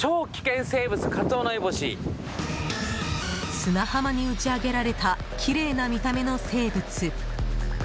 砂浜に打ち上げられたきれいな見た目の生物。